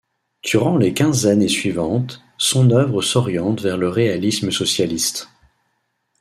Durant les quinze années suivantes, son œuvre s'oriente vers le réalisme socialiste.